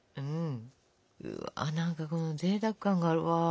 うわ何かぜいたく感があるわ。